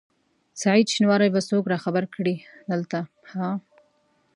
سعید شېنواری به څوک راخبر کړي دلته ها؟